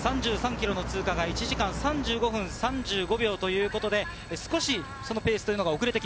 ３３ｋｍの通過が１時間３５分３５秒ということで、少しペース